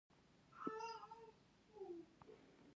ایا تاسو د زړه ډاکټر یاست؟